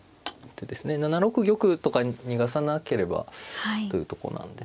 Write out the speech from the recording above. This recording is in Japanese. ７六玉とか逃がさなければというとこなんです。